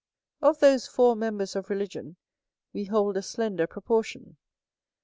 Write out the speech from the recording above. Of those four members of religion we hold a slender proportion.